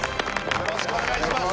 よろしくお願いします！